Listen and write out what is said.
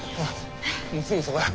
もうすぐそこや。